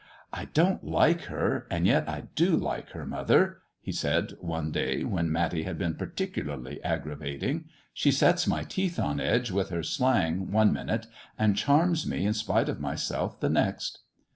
" I don't like her, and yet I do like her, mother," he said, one day when Matty had been particularly aggravating, "She sets my teeth on edge with her slang one minute, and charms me in spite of myself the next."